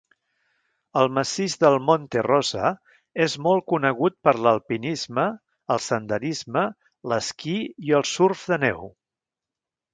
El massís del Monte Rosa és molt conegut per l'alpinisme, el senderisme, l'esquí i el surf de neu.